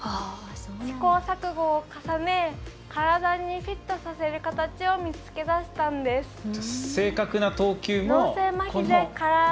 試行錯誤を重ね体にフィットさせる形を見つけ出したんです。